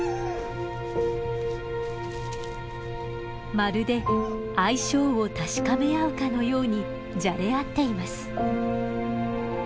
まるで相性を確かめ合うかのようにじゃれ合っています。